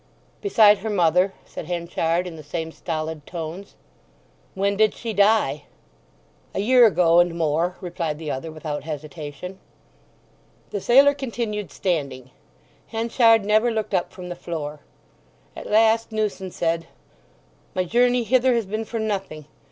"Beside her mother," said Henchard, in the same stolid tones. "When did she die?" "A year ago and more," replied the other without hesitation. The sailor continued standing. Henchard never looked up from the floor. At last Newson said: "My journey hither has been for nothing!